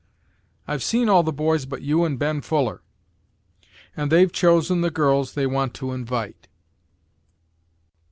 I've seen all the boys but you and Ben Fuller, and they've chosen the girls they want to invite."